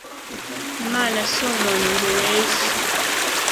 imana s'umuntu ngo ibeshye